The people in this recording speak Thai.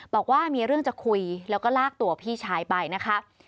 บอกว่ามีเรื่องจะคุยแล้วก็ลากตัวพี่ชายไปนะคะ